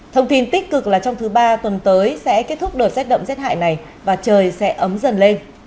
thông tin tích cực là trong thứ ba tuần tới sẽ kết thúc đợt rét đậm rét hại này và trời sẽ ấm dần lên